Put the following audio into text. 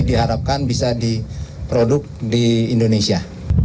diharapkan bisa diproduk di indonesia